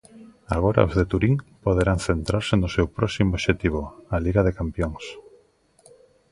Agora os de Turín poderán centrarse no seu próximo obxectivo: a Liga de campións.